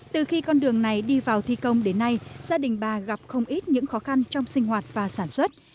từ khi con đường này đi vào thi công đến nay gia đình bà gặp không ít những khó khăn trong sinh hoạt và sản xuất